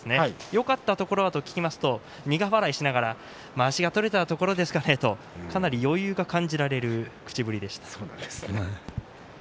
よかったところは？と聞くと苦笑いしながらまわしが取れたところですかねと余裕が感じられる口ぶりでした。